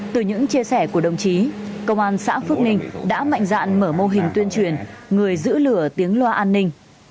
từ những chia sẻ của đồng chí công an xã phước ninh đã mạnh dạn mở mô hình tuyên truyền người giữ lửa tiếng loa an ninh